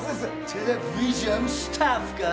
テレビジョンスタッフか？